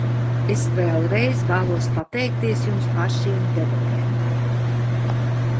Es vēlreiz vēlos pateikties jums par šīm debatēm.